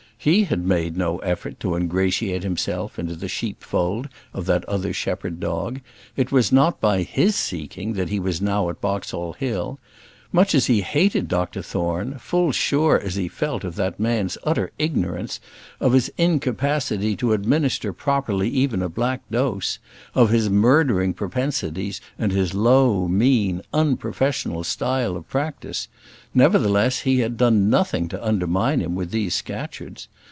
He had made no effort to ingratiate himself into the sheepfold of that other shepherd dog; it was not by his seeking that he was now at Boxall Hill; much as he hated Dr Thorne, full sure as he felt of that man's utter ignorance, of his incapacity to administer properly even a black dose, of his murdering propensities and his low, mean, unprofessional style of practice; nevertheless, he had done nothing to undermine him with these Scatcherds.